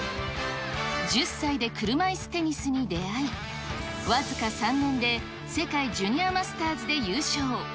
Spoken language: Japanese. １０歳で車いすテニスに出会い、僅か３年で世界ジュニアマスターズで優勝。